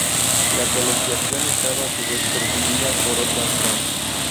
La colegiación estaba a su vez presidida por otro anciano.